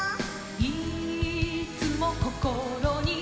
「いーっつもこころに」